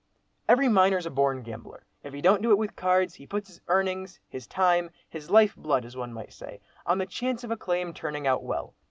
"Every miner's a born gambler; if he don't do it with cards, he puts his earnings, his time, his life blood, as one might say, on the chance of a claim turning out well.